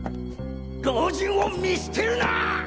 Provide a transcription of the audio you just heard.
老人を見捨てるな！